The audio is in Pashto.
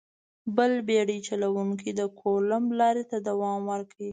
بل بېړۍ چلوونکي د کولمب لارې ته دوام ورکړ.